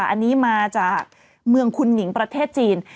อันนี้มาจากเมืองคุณหนิงประเทศจีน